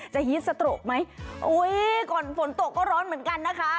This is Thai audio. ฮิตสโตรกไหมอุ้ยก่อนฝนตกก็ร้อนเหมือนกันนะคะ